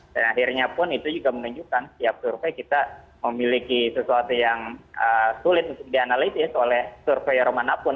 dan akhirnya pun itu juga menunjukkan setiap survei kita memiliki sesuatu yang sulit untuk dianalisis oleh survei orang manapun